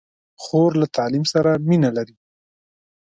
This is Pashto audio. خور له تعلیم سره مینه لري.